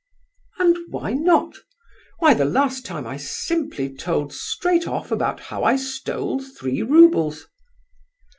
"And why not? Why, the last time I simply told straight off about how I stole three roubles."